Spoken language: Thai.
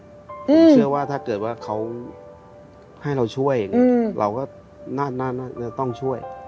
เชื่อว่าถ้าเกิดว่าเขาให้เราช่วยอย่างเงี้ยเราก็น่าจะต้องช่วย